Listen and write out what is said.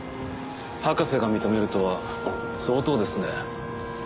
博士が認めるとは相当ですね。